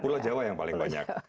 pulau jawa yang paling banyak